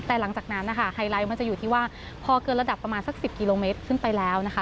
แต่หลังจากนั้นนะคะไฮไลท์มันจะอยู่ที่ว่าพอเกินระดับประมาณสัก๑๐กิโลเมตรขึ้นไปแล้วนะคะ